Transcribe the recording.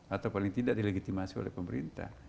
atau paling tidak dilegitimasi oleh pemerintah